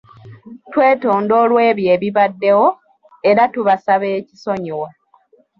Twetonda olw'ebyo ebibaddewo, era tubasaba ekisonyiwo.